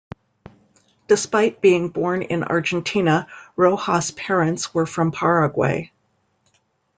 Despite being born in Argentina, Rojas grandparents were from Paraguay.